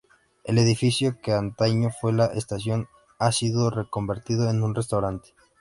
El edificio que antaño fue la estación ha sido reconvertido en un restaurante.